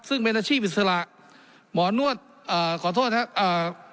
ซึ่งเป็นอาชีพอิสระหมอนวดเอ่อขอโทษนะครับอ่า